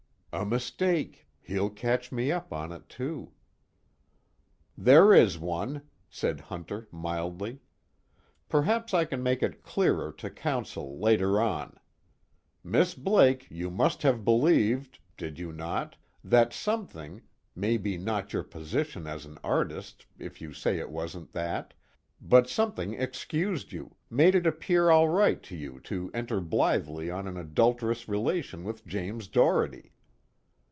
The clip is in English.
A mistake; he'll catch me up on it too. "There is one," said Hunter mildly. "Perhaps I can make it clearer to counsel later on. Miss Blake, you must have believed did you not? that something maybe not your position as an artist if you say it wasn't that but something excused you, made it appear all right to you to enter blithely on an adulterous relation with James Doherty."